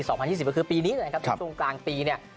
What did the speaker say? ๒๐๒๐ก็คือปีนี้นะครับช่วงกลางปีเนี่ย